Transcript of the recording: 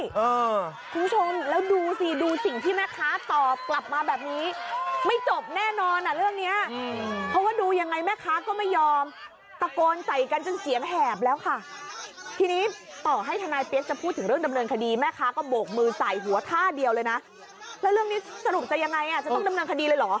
คุณผู้ชมแล้วดูสิดูสิ่งที่แม่ค้าตอบกลับมาแบบนี้ไม่จบแน่นอนอ่ะเรื่องเนี้ยเพราะว่าดูยังไงแม่ค้าก็ไม่ยอมตะโกนใส่กันจนเสียงแหบแล้วค่ะทีนี้ต่อให้ทนายเปี๊ยกจะพูดถึงเรื่องดำเนินคดีแม่ค้าก็โบกมือใส่หัวท่าเดียวเลยนะแล้วเรื่องนี้สรุปจะยังไงอ่ะจะต้องดำเนินคดีเลยเหรอ